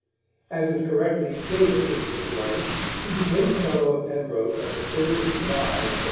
As is correctly stated in his Life, he became a fellow of Pembroke on the 3rd of July 1745.